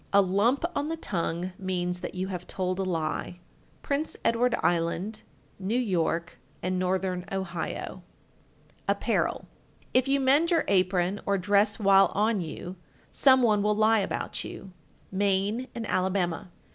_ 1375. A lump on the tongue means that you have told a lie. Prince Edward Island, New York, and Northern Ohio. APPAREL. 1376. If you mend your apron or dress while on you, some one will lie about you. _Maine and Alabama.